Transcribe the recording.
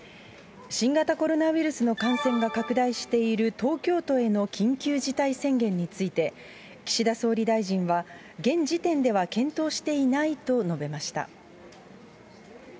新型コロナウイルスの感染が拡大している東京都への緊急事態宣言について、岸田総理大臣は、現時点では検討していないと述べました。